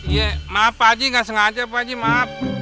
iya maaf pak haji gak sengaja pak haji maaf